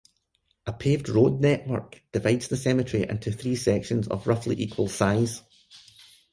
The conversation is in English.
A paved road network divides the cemetery into three sections of roughly equal size.